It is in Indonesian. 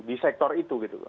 di sektor itu gitu